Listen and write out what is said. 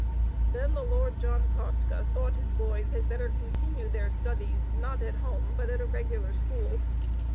Then the Lord John Kostka thought his boys had better continue their studies, not at home, but at a regular school.